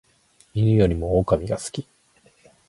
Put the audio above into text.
犬よりも狼が好き